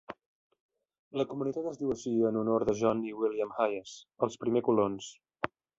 La comunitat es diu així en honor de John i William Hayes, els primer colons.